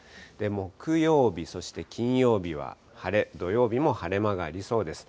木曜日、そして金曜日は晴れ、土曜日も晴れ間がありそうです。